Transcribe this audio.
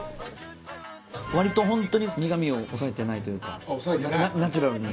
割とホントに苦みを抑えてないというかナチュラルに。